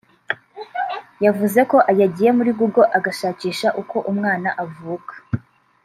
yavuze ko yagiye muri Google agashakisha uko umwana avuka